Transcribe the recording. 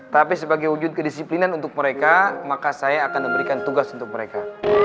tapi sebagai wujud kedisiplinan untuk mereka maka saya akan memberikan tugas untuk mereka